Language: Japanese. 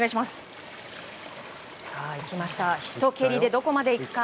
ひと蹴りでどこまで行くか。